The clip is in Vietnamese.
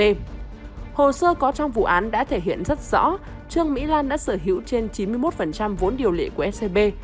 các luật sư có trong vụ án đã thể hiện rất rõ trương mỹ lan đã sở hữu trên chín mươi một vốn điều lệ của scb